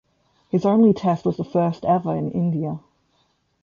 His only Test was the first ever in India.